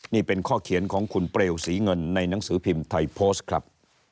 นี่เป็นข้อเขียนของคุณเปลวศรีเงินในหนังสือพิมพ์ไทยโพสต์ครับ